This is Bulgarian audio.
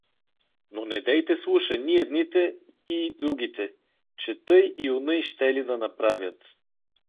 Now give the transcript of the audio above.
Но недейте слуша ни едните, ии другите, че тъй и онъй щели да направят.